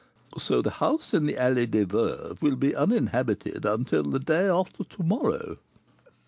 So the house in the Allée des Veuves will be uninhabited until the day after to morrow?"